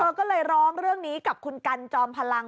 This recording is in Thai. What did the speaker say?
ก็เลยร้องเรื่องนี้กับคุณกันจอมพลัง